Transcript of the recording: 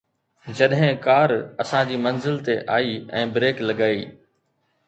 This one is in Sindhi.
جڏهن ڪار اسان جي منزل تي آئي ۽ بريڪ لڳائي